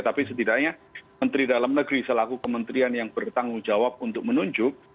tapi setidaknya menteri dalam negeri selaku kementerian yang bertanggung jawab untuk menunjuk